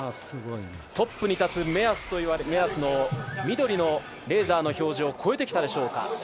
トップに立つ目安の緑のレーザーの表示を越えてきたでしょうか。